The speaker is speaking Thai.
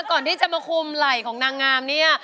ก่อนที่จะมาคุมไหล่ของนางงามเนี่ย